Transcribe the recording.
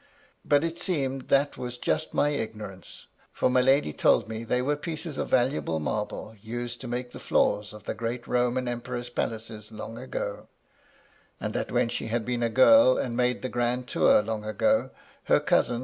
But it seems that was just my ignorance ; for my lady told me they were pieces of valuable marble, used to make the floors of the great Roman emperors' palaces long ago; and that when she had been a girl, and made the grand tour long ago, her cousin.